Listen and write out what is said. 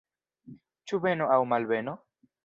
Ĉu beno aŭ malbeno?